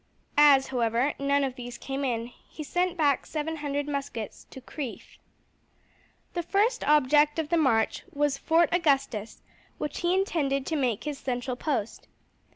As, however, none of these came in, he sent back seven hundred muskets to Crieff. The first object of the march was Fort Augustus, which he intended to make his central post.